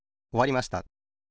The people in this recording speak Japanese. おわりました。